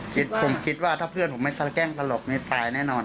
ผมคิดว่าถ้าเพื่อนผมไม่สละแกล้งตลกนี่ตายแน่นอน